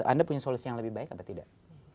anda punya solusi yang lebih baik apa tidak